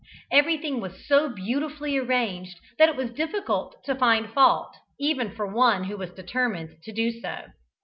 Everything was so beautifully arranged that it was difficult to find fault, even for one who was determined to do so.